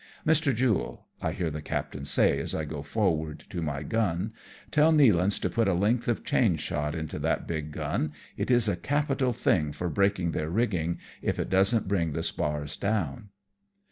" Mr. Jule," I hear the captain say as I go forward to my gun, "tell Nealance to put a length of chain shot into that big gun, it is a capital thing for break ing their rigging, if it don't bring the spars down.''